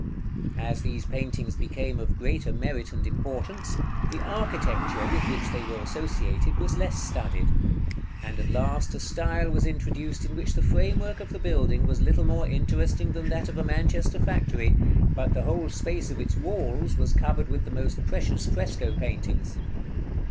As these paintings became of greater merit and importance, the architecture with which they were associated was less studied; and at last a style was introduced in which the framework of the building was little more interesting than that of a Manchester factory, but the whole space of its walls was covered with the most precious fresco paintings.